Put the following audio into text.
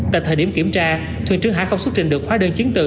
tại thời điểm kiểm tra thuyền trưởng hải không xuất trình được khóa đơn chứng từ